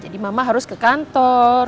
jadi mama harus ke kantor